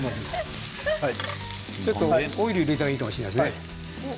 ちょっとオイルを入れた方がいいかもしれませんね。